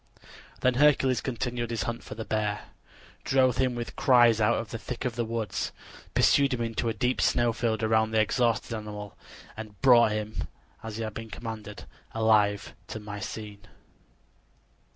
Then Hercules continued his hunt for the boar, drove him with cries out of the thick of the woods, pursued him into a deep snow field, bound the exhausted animal, and brought him, as he had been commanded, alive to Mycene.